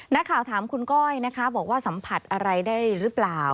นักข่าวถามคุณก้อยนะคะบอกว่าสัมผัสอะไรได้หรือเปล่า